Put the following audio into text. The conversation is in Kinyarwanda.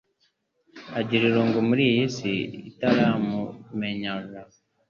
agirira irungu muri iyi si itaramumenyaga.